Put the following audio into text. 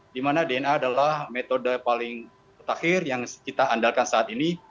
dimana dna adalah metode paling terakhir yang kita andalkan saat ini